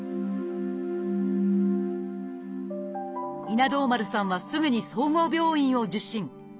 稲童丸さんはすぐに総合病院を受診。